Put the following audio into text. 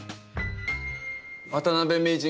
渡辺名人